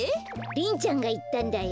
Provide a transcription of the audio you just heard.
リンちゃんがいったんだよ。